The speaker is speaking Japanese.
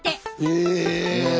へえ。